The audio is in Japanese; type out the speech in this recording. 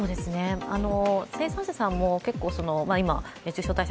生産者さんも結構今熱中症対策